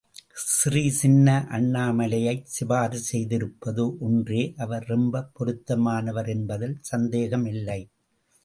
ஸ்ரீ சின்ன அண்ணாமலையைச் சிபாரிசு செய்திருப்பது ஒன்றே அவர் ரொம்ப பொருத்தமானவர் என்பதில் சந்தேகமில்லை.